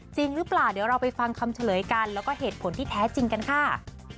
จริงหรือเปล่าเดี๋ยวเราไปฟังคำเฉลยกันแล้วก็เหตุผลที่แท้จริงกันค่ะ